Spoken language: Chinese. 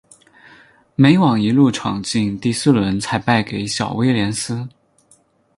美网一路闯进第四轮才败给小威廉丝。